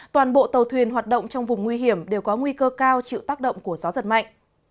toàn bộ tàu thuyền hoạt động trong vùng nguy hiểm đều có nguy cơ cao chịu tác động của gió giật mạnh